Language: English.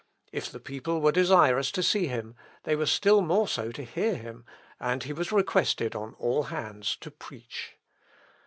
If the people were desirous to see him, they were still more so to hear him, and he was requested on all hands to preach.